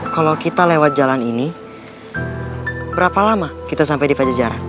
kalau kita lewat jalan ini berapa lama kita sampai di pajajaran